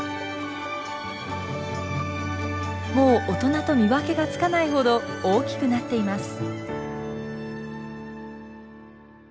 もう大人と見分けがつかないほど大きくなっています。